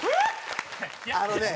あのね